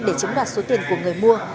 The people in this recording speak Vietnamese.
để chiếm đoạt số tiền của người mua